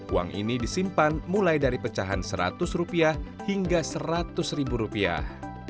uang ini disimpan mulai dari pecahan seratus rupiah hingga seratus ribu rupiah